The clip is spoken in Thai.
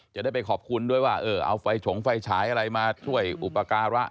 จะได้ไปขอบคุณด้วยว่าเออเอาไฟฉงไฟฉายอะไรมาช่วยอุปการะ